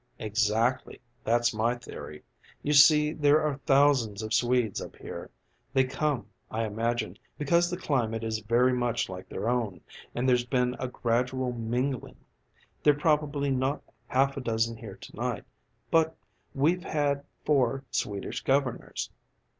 "Exactly. That's my theory. You see there are thousands of Swedes up here. They come, I imagine, because the climate is very much like their own, and there's been a gradual mingling. There're probably not half a dozen here to night, but we've had four Swedish governors.